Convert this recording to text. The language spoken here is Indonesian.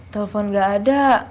telepon gak ada